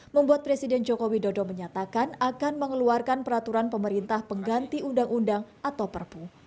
membuat presiden joko widodo menyatakan akan mengeluarkan peraturan pemerintah pengganti undang undang atau perpu